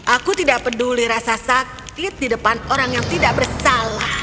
aku tidak peduli rasa sakit di depan orang yang tidak bersalah